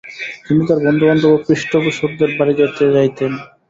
তিনি তার বন্ধুবান্ধব ও পৃষ্ঠপোষকদের বাড়িতে যেতেন।